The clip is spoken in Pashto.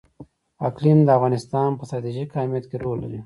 اقلیم د افغانستان په ستراتیژیک اهمیت کې رول لري.